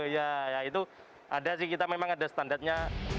ya ya itu ada sih kita memang ada standarnya